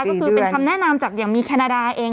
ก็คือเป็นคำแนะนำจากอย่างมีแคนาดาเอง